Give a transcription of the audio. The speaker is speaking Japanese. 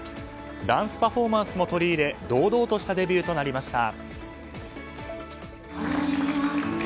ダンスパフォーマンスも取り入れ堂々としたデビューとなりました。